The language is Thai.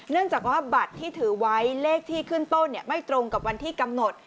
เนื่องจากว่าบัตรที่ถือไว้เลขที่ขึ้นต้นไม่ตรงกับวันที่กำหนด